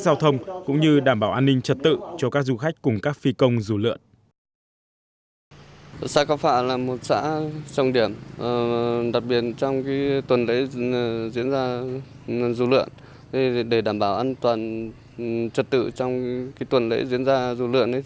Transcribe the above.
giao thông cũng như đảm bảo an ninh trật tự cho các du khách cùng các phi công dù lượn